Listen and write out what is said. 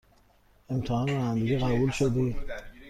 امتحان رانندگی قبول شدی؟